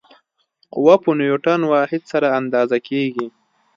قوه په نیوټن واحد سره اندازه کېږي.